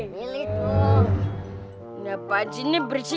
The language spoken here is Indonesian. kenapa ini bersih